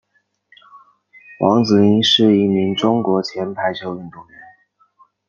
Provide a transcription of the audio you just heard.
王子凌是一名中国前排球运动员。